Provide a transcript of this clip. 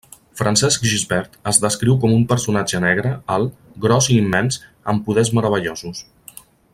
Francesc Gisbert es descriu com un personatge negre, alt, gros i immens, amb poders meravellosos.